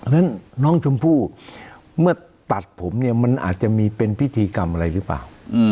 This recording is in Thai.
นั้นน้องชมพู่เมื่อตัดผมเนี่ยมันอาจจะมีเป็นพิธีกรรมอะไรหรือเปล่า